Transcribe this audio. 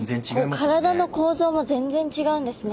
体の構造も全然違うんですね。